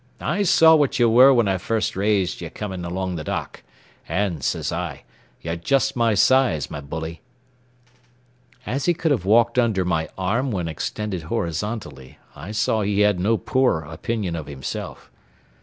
I saw what ye were when I first raised ye coming along the dock, and sez I, ye're just my size, my bully." As he could have walked under my arm when extended horizontally, I saw he had no poor opinion of himself.